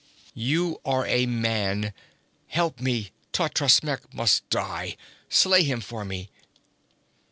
'You are a man! Help me! Totrasmek must die! Slay him for me!'